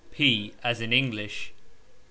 ......... As in English ...